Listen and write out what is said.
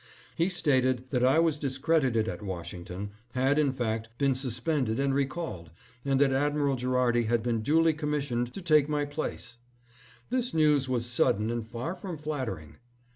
He stated that I was discredited at Washing ton, had, in fact, been suspended and recalled, and that 734 THE FACTS ABOUT THE MOLE ST. NICOLAS. Admiral Gherardi had been duly commissioned to take my place. This news was sudden and far from flatter ing.